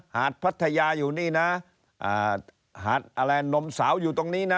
หาดพัทยาอยู่นี่นะหาดอะไรนมสาวอยู่ตรงนี้นะ